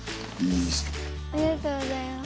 ありがとうございます。